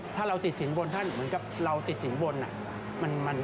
ถ้าเราติดสินบนท่านเหมือนกับเราติดสินบน